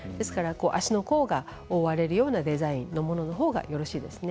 足の甲が覆われるようなデザインのほうがよろしいですね。